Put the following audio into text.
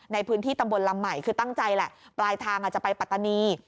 ในพื้นที่ตำบลลำใหม่คือตั้งใจแหละปลายทางอาจจะไปปัตตานี